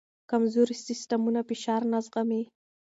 کمزوري سیستمونه فشار نه زغمي.